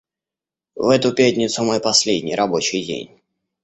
В эту пятницу мой последний рабочий день.